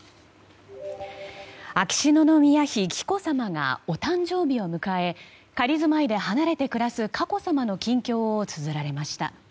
秋篠宮妃・紀子さまがお誕生日を迎え仮住まいで離れて暮らす佳子さまの近況をつづられました。